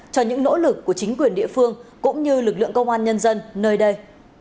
cho những nỗ lực của chính quyền địa phương cũng như lực lượng công an nhân dân nơi đây